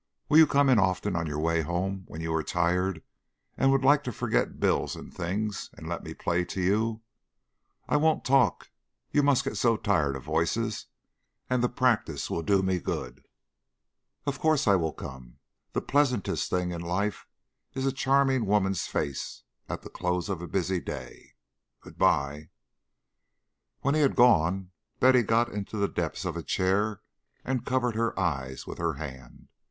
"Will you come in often on your way home when you are tired and would like to forget bills and things, and let me play to you? I won't talk you must get so tired of voices! and the practice will do me good." "Of course I will come. The pleasantest thing in life is a charming woman's face at the close of a busy day. Good bye." When he had gone, Betty got into the depths of a chair and covered her eyes with her hand.